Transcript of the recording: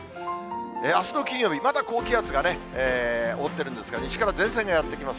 あすの金曜日、まだ高気圧が覆ってるんですが、西から前線がやって来ます。